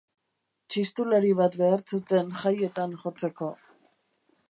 Txistulari bat behar zuten jaietan jotzeko.